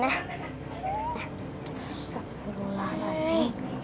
nah sepuluh lah lah sih